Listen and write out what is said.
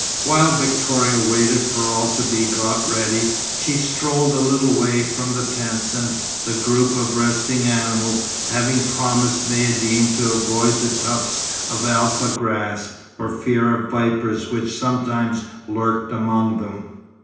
While Victoria waited for all to be got ready, she strolled a little away from the tents and the group of resting animals, having promised Maïeddine to avoid the tufts of alfa grass, for fear of vipers which sometimes lurked among them.